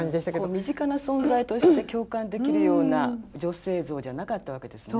身近な存在として共感できるような女性像じゃなかったわけですね。